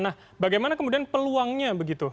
nah bagaimana kemudian peluangnya begitu